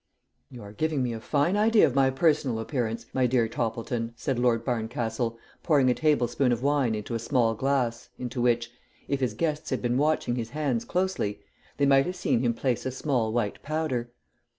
"You are giving me a fine idea of my personal appearance, my dear Toppleton," said Lord Barncastle, pouring a tablespoonful of wine into a small glass into which, if his guests had been watching his hands closely, they might have seen him place a small white powder.